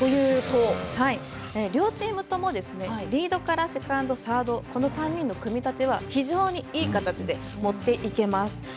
両チームともリードからセカンド、サードこの３人の組み立ては非常にいい形で持っていけます。